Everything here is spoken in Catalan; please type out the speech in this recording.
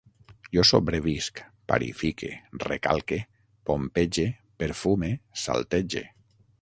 Jo sobrevisc, parifique, recalque, pompege, perfume, saltege